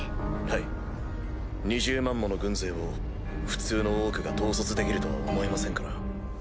はい２０万もの軍勢を普通のオークが統率できるとは思えませんから。